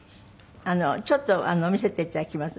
ちょっと見せていただきます。